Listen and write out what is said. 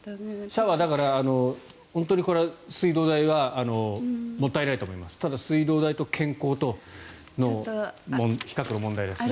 シャワー、だから水道代はもったいないと思いますがただ、水道代と健康との比較の問題ですね。